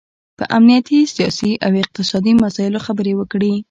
په امنیتي، سیاسي او اقتصادي مسایلو خبرې وکړي